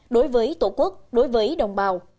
đối với tổ quốc đối với đồng bào